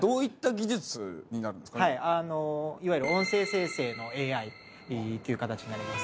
いわゆる音声生成のＡＩっていう形になります。